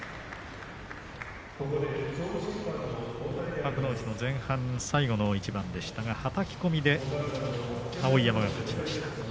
幕内の前半最後の一番でしたがはたき込みで碧山が勝ちました。